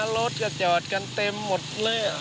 รถก็จอดกันเต็มหมดเลย